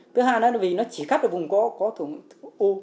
thứ hai là vì nó chỉ cắt ở vùng có có thùng u